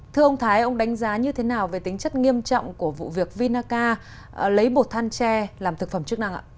thưa ông thái ông đánh giá như thế nào về tính chất nghiêm trọng của vụ việc vinaca lấy bột than tre làm thực phẩm chức năng ạ